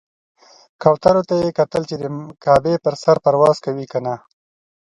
کوترو ته یې کتل چې د کعبې پر سر پرواز کوي کنه.